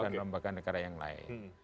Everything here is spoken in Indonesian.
bukan lembaga negara yang lain